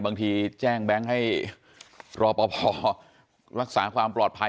บางทีแจ้งแบงค์ให้รอปภรักษาความปลอดภัย